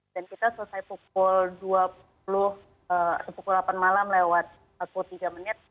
dan kita selesai pukul delapan malam lewat pukul tiga menit